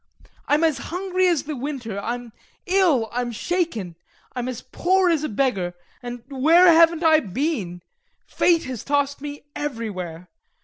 I'm as hungry as the winter, I'm ill, I'm shaken. I'm as poor as a beggar, and where haven't I been fate has tossed me everywhere!